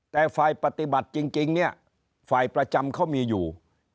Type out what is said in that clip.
แต่ฝ่ายปฏิบัติจริงเนี่ยฝ่ายประจำเขามีอยู่